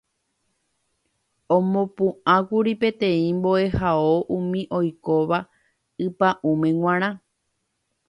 Omopu'ãkuri peteĩ mbo'ehao umi oikóva ypa'ũme g̃uarã